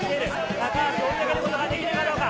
高橋、追い上げることができるかどうか。